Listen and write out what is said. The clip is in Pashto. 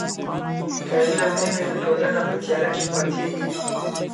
که علم نه وي نو ټولنه په تیاره کي پاتیږي.